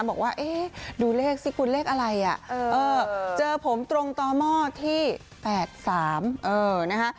บอกว่าเอ๊ะดูเลขสิคุณเลขอะไรอ่ะเจอผมตรงต่อหม้อที่๘๓เออนะคะ